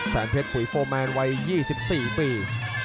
เพชรปุ๋ยโฟร์แมนวัย๒๔ปี